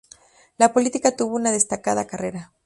En política tuvo una destacada carrera.